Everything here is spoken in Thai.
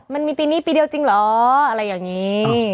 มันมีปีนี้ปีเดียวจริงเหรออะไรอย่างนี้